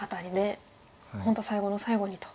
本当最後の最後にと。